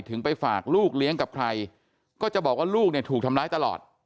ไปฝากลูกเลี้ยงกับใครก็จะบอกว่าลูกเนี่ยถูกทำร้ายตลอด